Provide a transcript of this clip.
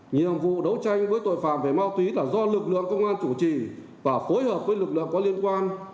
nhiệm vụ đấu tranh với tội phạm về ma túy là do lực lượng công an chủ trì và phối hợp với lực lượng có liên quan